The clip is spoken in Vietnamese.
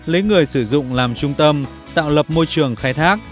lấy người sử dụng làm trung tâm tạo lập môi trường khai thác